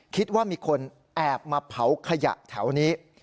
คิดว่ามีคนแอบมาเผาขยะแถวนี้